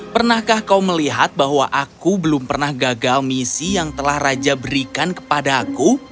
pernahkah kau melihat bahwa aku belum pernah gagal misi yang telah raja berikan kepada aku